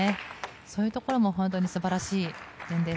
そういうところも本当に素晴らしい面です。